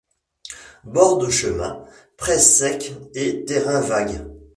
Bords de chemins, prés secs et terrains vagues.